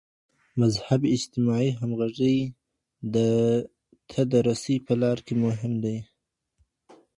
مذهب اجتماعي همغږي ته د رسي په لار کي مهم دی.